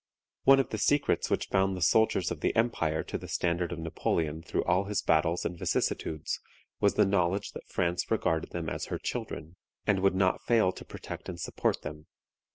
One of the secrets which bound the soldiers of the empire to the standard of Napoleon through all his battles and vicissitudes was the knowledge that France regarded them as her children, and would not fail to protect and support them.